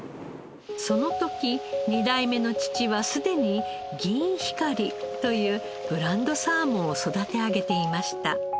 その時２代目の父はすでにギンヒカリというブランドサーモンを育て上げていました。